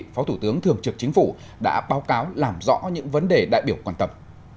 phó thủ tướng thường trực chính phủ đã báo cáo làm rõ những vấn đề đại biểu quan tâm